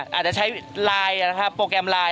อาจจะใช้ไลน์นะครับโปรแกรมไลน